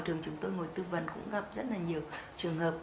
thường chúng tôi ngồi tư vấn cũng gặp rất là nhiều trường hợp